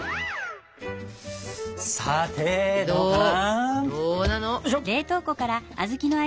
さてどうかな？